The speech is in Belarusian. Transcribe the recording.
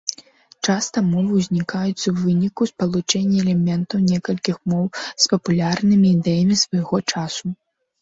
Часта мовы узнікаюць у выніку спалучэння элементаў некалькіх моў з папулярнымі ідэямі свайго часу.